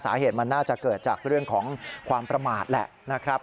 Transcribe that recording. สาเหตุมันน่าจะเกิดจากเรื่องของความประมาทแหละนะครับ